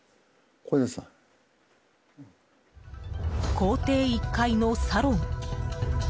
公邸１階のサロン。